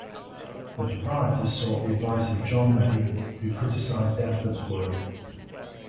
The Proprietors sought the advice of John Rennie, who criticised Dadford's work.